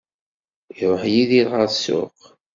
Iruḥ Yidir ɣer ssuq.